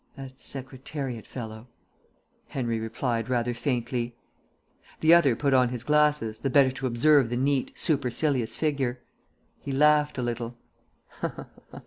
"That Secretariat fellow," Henry replied rather faintly. The other put on his glasses, the better to observe the neat, supercilious figure. He laughed a little.